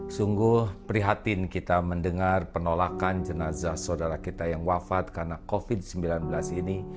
sungguh prihatin kita mendengar penolakan jenazah saudara kita yang wafat karena covid sembilan belas ini